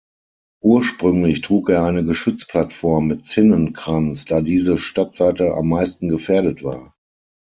Ursprünglich trug er eine Geschützplattform mit Zinnenkranz, da diese Stadtseite am meisten gefährdet war.